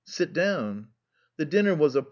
"Sit down." The dinner was bad.